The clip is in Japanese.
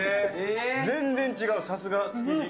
全然違う、さすが築地。